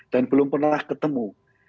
dan belum pernah ketemu